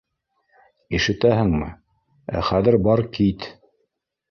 Ишетәһеңме? Ә хәҙер бар кит